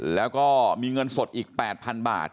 แล้วก็มีเงินสดอีก๘๐๐๐บาท